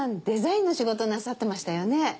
デザインの仕事なさってましたよね。